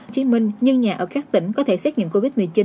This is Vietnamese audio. chính minh nhân nhà ở các tỉnh có thể xét nghiệm covid một mươi chín